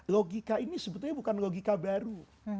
logika ini sebetulnya bukan logika baru